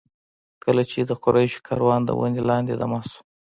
کله چې د قریشو کاروان د ونې لاندې دمه شو.